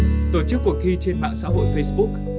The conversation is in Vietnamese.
lần đầu tiên tổ chức cuộc thi trên mạng xã hội facebook